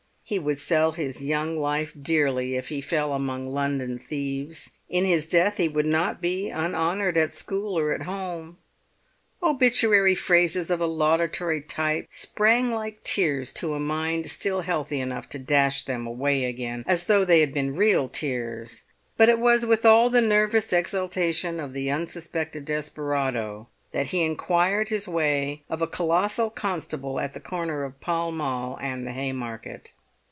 He would sell his young life dearly if he fell among London thieves; in his death he would not be unhonoured at school or at home. Obituary phrases of a laudatory type sprang like tears to a mind still healthy enough to dash them away again, as though they had been real tears; but it was with all the nervous exaltation of the unsuspected desperado that he inquired his way of a colossal constable at the corner of Pall Mall and the Haymarket.